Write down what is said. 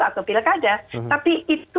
atau pilih ada tapi itu